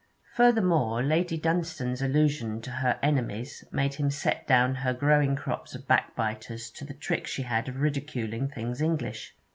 Furthermore, Lady Dunstane's allusion to her 'enemies' made him set down her growing crops of backbiters to the trick she had of ridiculing things English.